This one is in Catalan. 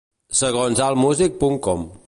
Segons Allmusic punt com.